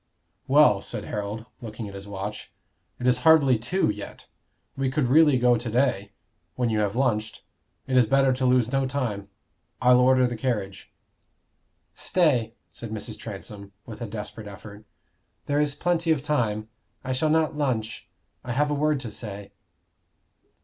"Well," said Harold, looking at his watch, "it is hardly two yet. We could really go to day, when you have lunched. It is better to lose no time. I'll order the carriage." "Stay," said Mrs. Transome, with a desperate effort. "There is plenty of time. I shall not lunch. I have a word to say."